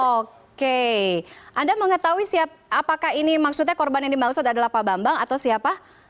oke anda mengetahui apakah ini maksudnya korban yang dimaksud adalah pak bambang atau siapa